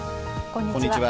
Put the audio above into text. こんにちは。